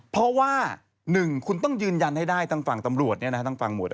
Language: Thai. เพราะว่าหนึ่งคุณต้องยืนยันให้ได้ทั้งฝั่งตำรวจเนี่ยนะฮะทั้งฝั่งหมด